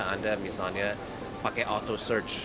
anda misalnya pakai auto search